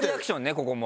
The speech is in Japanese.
ここも。